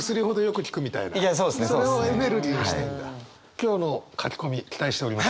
今日の書き込み期待しております。